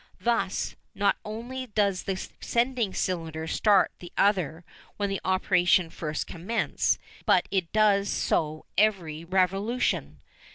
Thus not only does the sending cylinder start the other when the operations first commence, but it does so every revolution.